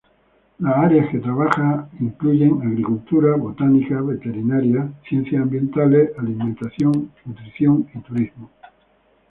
Las áreas que trabaja incluyen agricultura, botánica, veterinaria, ciencias ambientales, alimentación, nutrición y turismo.